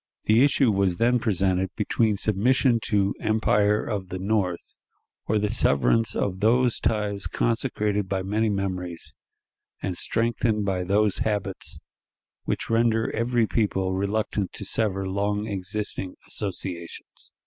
The issue was then presented between submission to empire of the North, or the severance of those ties consecrated by many memories, and strengthened by those habits which render every people reluctant to sever long existing associations.